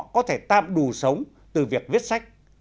có thể tạm đủ sống từ việc viết sách